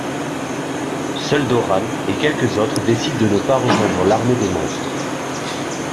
Seuls Doran et quelques autres décident de ne pas rejoindre l’armée des monstres.